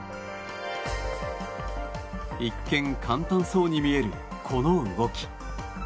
一見、簡単そうに見えるこの動き。